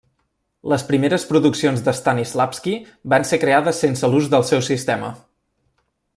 Les primeres produccions de Stanislavski van ser creades sense l'ús del seu sistema.